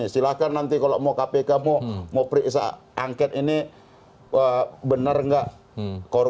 silahkan nanti kalau mau kpk mau periksa angket ini benar nggak